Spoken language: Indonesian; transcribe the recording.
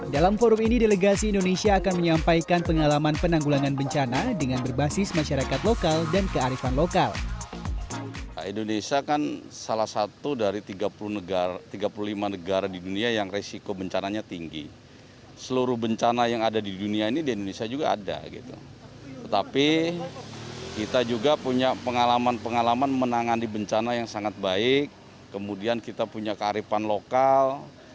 dalam forum ini delegasi indonesia akan menyampaikan pengalaman penanggulangan bencana dengan berbasis masyarakat lokal dan kearifan lokal